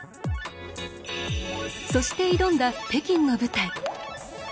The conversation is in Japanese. そして挑んだ北京の舞台。